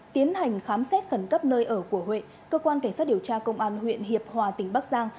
tiến hành khám xét khẩn cấp nơi ở của huệ cơ quan cảnh sát điều tra công an huyện hiệp hòa tỉnh bắc giang